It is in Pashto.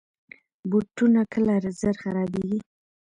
بوټونه کله زر خرابیږي.